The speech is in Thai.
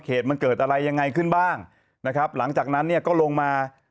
เหตุมันเกิดอะไรยังไงขึ้นบ้างนะครับหลังจากนั้นเนี่ยก็ลงมา